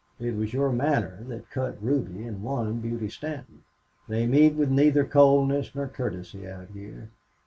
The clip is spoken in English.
It was your manner that cut Ruby and won Beauty Stanton. They meet with neither coldness nor courtesy out here.